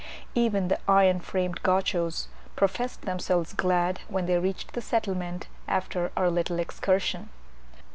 Even the iron framed Gauchos professed themselves glad when they reached the settlement, after our little excursion.